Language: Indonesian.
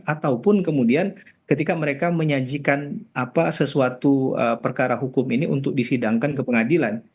ataupun kemudian ketika mereka menyajikan sesuatu perkara hukum ini untuk disidangkan ke pengadilan